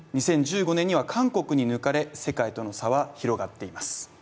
２０１５年には韓国に抜かれ、世界との差は広がっています。